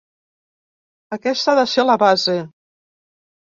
Aquesta ha de ser la base.